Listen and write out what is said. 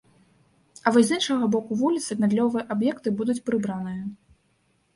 А вось з іншага боку вуліцы гандлёвыя аб'екты будуць прыбраныя.